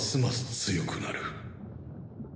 強くなる。